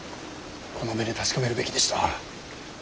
この目で確かめるべきでした。